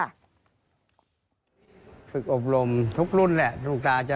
คุณผู้ชมฟังเสียงเจ้าอาวาสกันหน่อยค่ะ